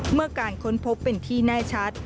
เมื่อการค้นพบเป็นที่แน่ชัด